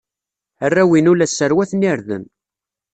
Arraw-inu la sserwaten irden.